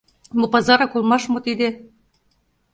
— Мо, пазарак улмаш мо тиде?